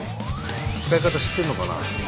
使い方知ってるのかな？